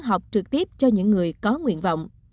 học trực tiếp cho những người có nguyện vọng